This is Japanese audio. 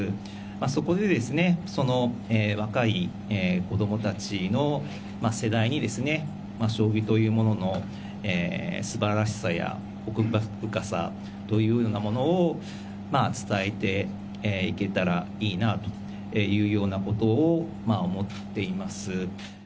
そこでですね、その若い子どもたちの世代に、将棋というもののすばらしさや、奥深さというようなものを、伝えていけたらいいなというようなことを思っています。